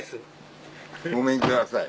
ごめんください。